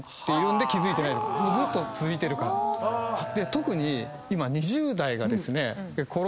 特に今。